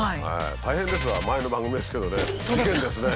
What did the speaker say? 「大変です」は前の番組ですけどね。